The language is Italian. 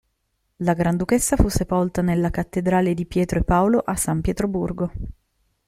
La granduchessa fu sepolta nella Cattedrale di Pietro e Paolo a San Pietroburgo.